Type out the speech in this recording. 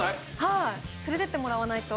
連れていってもらわないと。